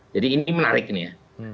jadi ini menarik nih ya